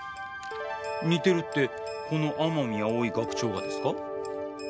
似てるってこの天海葵学長がですか？